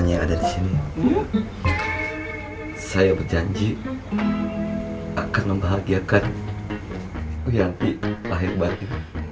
dan semuanya ada di sini saya berjanji akan membahagiakan wianti lahir baru